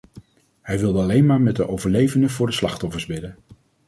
Hij wilde alleen maar met de overlevenden voor de slachtoffers bidden.